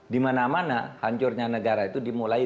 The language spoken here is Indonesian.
di mana mana hancurnya negara itu dimulai